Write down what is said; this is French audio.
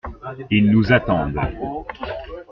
Ils nous attendent.